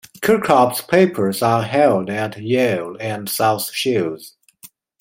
Kirkup's papers are held at Yale and South Shields.